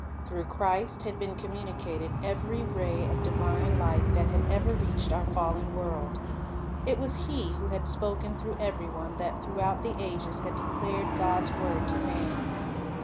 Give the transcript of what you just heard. Through Christ had been communicated every ray of divine light that had ever reached our fallen world. It was He who had spoken through every one that throughout the ages had declared God's word to man.